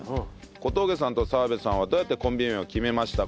小峠さんと澤部さんはどうやってコンビ名を決めましたか？